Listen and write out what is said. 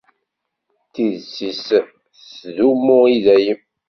Tidet-is tettdumu i dayem.